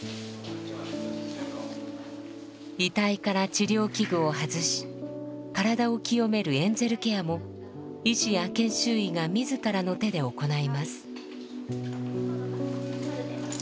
遺体から治療器具を外し体を清めるエンゼルケアも医師や研修医が自らの手で行います。